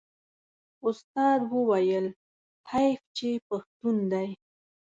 استاد وویل حیف چې پښتون دی.